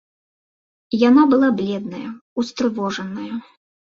Яна была бледная, устрывожаная.